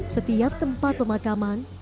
setiap tempat pemakaman